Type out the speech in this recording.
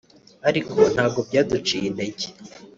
ariko ntabwo byaduciye intege